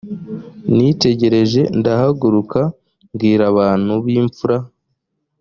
nitegereje ndahaguruka mbwira abantu b imfura